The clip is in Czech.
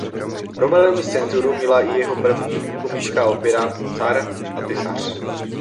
Problémy s cenzurou měla i jeho první komická opera "Car a tesař".